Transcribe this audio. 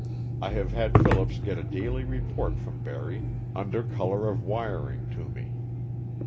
I have had Phillips get a daily report from Barry, under color of wiring to me.